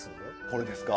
これですか？